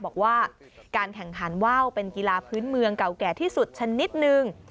บอกว่าการแข่งขันว่าวเป็นกีฬาพื้นเมืองเก่าแก่ที่สุดชนิดนึง